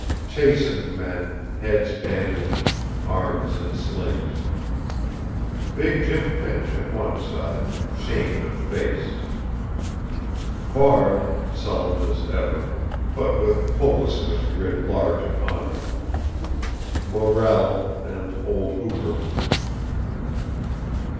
Chastened men, heads bandaged, arms in slings ... Big Jim Finch at one side, shamed of face. Varde, sullen as ever, but with hopelessness writ large upon him. Morrell, and old Hooper....